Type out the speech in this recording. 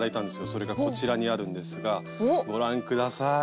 それがこちらにあるんですがご覧下さい。